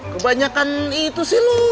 kebanyakan itu sih lu